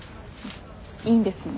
いいんですもう。